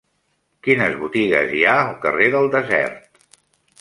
Quines botigues hi ha al carrer del Desert?